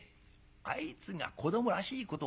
あいつが子どもらしいことをしたかい？